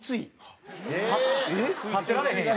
立ってられへんやん。